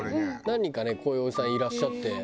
何人かねこういうおじさんいらっしゃって。